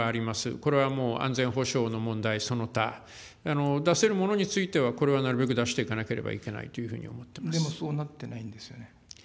これはもう、安全保障の問題その他、出せるものについては、これはなるべく出していかなければいでもそうなってないんですよ